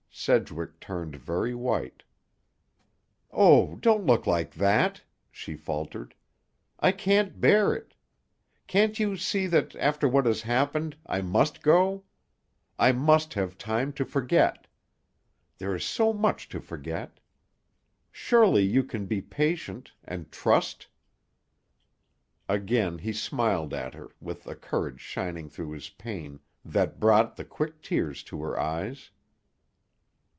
Sedgwick turned very white. "Oh, don't look like that!" she faltered. "I can't bear it! Can't you see that, after what has happened, I must go? I must have time to forget. There is so much to forget! Surely you can be patient—and trust." Again he smiled at her, with a courage shining through his pain that brought the quick tears to her eyes.